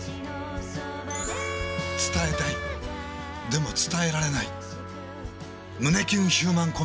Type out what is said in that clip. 伝えたいでも伝えられない胸キュンヒューマンコメディ。